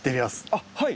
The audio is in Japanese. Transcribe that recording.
あっはい。